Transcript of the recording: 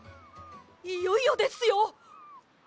いよいよですよ！